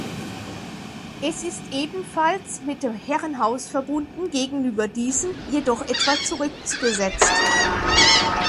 Es ist ebenfalls mit dem Herrenhaus verbunden, gegenüber diesem jedoch etwa zurückgesetzt.